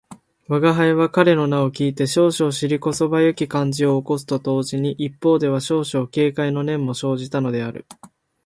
吾輩は彼の名を聞いて少々尻こそばゆき感じを起こすと同時に、一方では少々軽侮の念も生じたのである